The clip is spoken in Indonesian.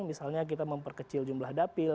misalnya kita memperkecil jumlah dapil